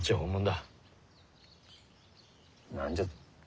何じゃと！？